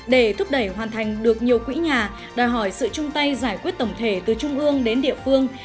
để thúc đẩy hoàn thành được nhiều quỹ nhà đòi hỏi sự chung tay giải quyết tổng thể từ trung ương đến địa phương